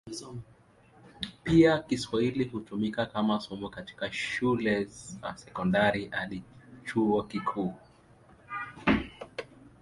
Pia Kiswahili hutumika kama somo katika shule za sekondari hadi chuo kikuu.